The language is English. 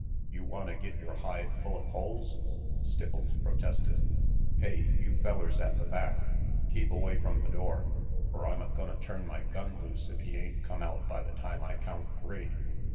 "You wanta get yore hide full of holes?" Stipples protested. "Hey, you fellers at the back, keep away from the door, fer I'm a gonna turn my gun loose if he ain't come out by the time I count three.